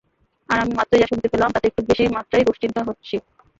আর আমি মাত্রই যা শুনতে পেলাম, তাতে একটু বেশি মাত্রায়ই দুশ্চিন্তা হচ্ছে।